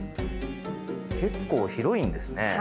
結構広いんですね。